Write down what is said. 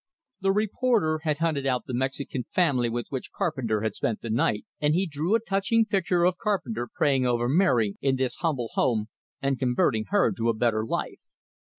The reporter had hunted out the Mexican family with which Carpenter had spent the night, and he drew a touching picture of Carpenter praying over Mary in this humble home, and converting her to a better life.